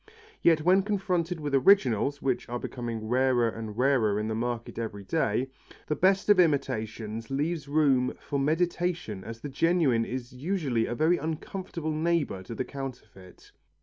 Yet when confronted with originals, which are becoming rarer and rarer in the market every day, the best of imitations leaves room for meditation as the genuine is usually a very uncomfortable neighbour to the counterfeit.